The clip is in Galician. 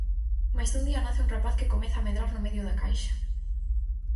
Mais un día nace un rapaz que comeza a medrar no medio da caixa.